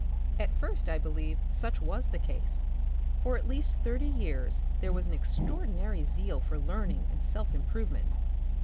At first, I believe, such was the case. For at least thirty years there was an extraordinary zeal for learn ing and self improvement.